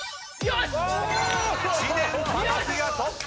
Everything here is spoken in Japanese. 知念木がトップ！